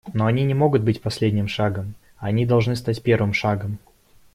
Но они не могут быть последним шагом − они должны стать первым шагом.